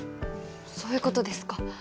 そういうことですか。